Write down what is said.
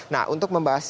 nah untuk membahasnya